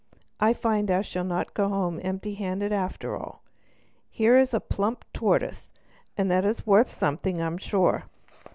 I find I shall not go home empty handed after all; here is a plump tortoise, and that is worth something, I'm sure."